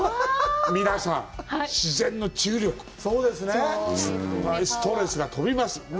皆さん、自然の治癒力、ストレスが飛びます。